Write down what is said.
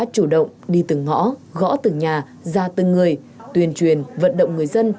chủ động đi từng ngõ gõ từng nhà ra từng người tuyên truyền vận động người dân